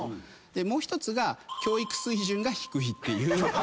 もう１つが教育水準が低いっていう。